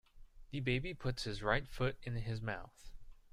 The baby puts his right foot in his mouth.